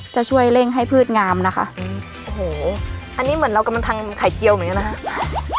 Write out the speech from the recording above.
จะช่วยเร่งให้พืชงามนะคะโอ้โหอันนี้เหมือนเรากำลังทำไข่เจียวเหมือนกันนะครับ